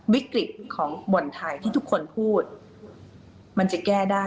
วิกฤตของบอลไทยที่ทุกคนพูด